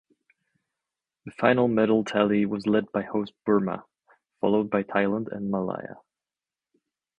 The final medal tally was led by host Burma, followed by Thailand and Malaya.